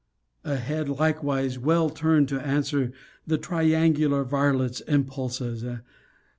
A head, likewise, so well turned to answer the triangular varlet's impulses!